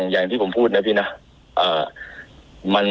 อย่างที่ผมพูดนะพี่นะ